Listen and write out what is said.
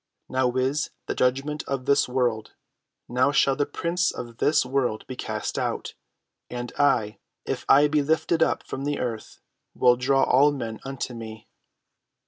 Now is the judgment of this world: now shall the prince of this world be cast out. And I, if I be lifted up from the earth, will draw all men unto me."